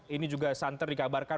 ini juga santer dikabarkan